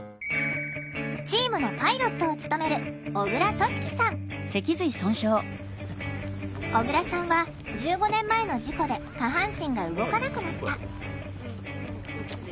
チームのパイロットを務める小倉さんは１５年前の事故で下半身が動かなくなった。